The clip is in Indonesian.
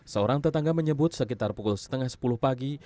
seorang tetangga menyebut sekitar pukul setengah sepuluh pagi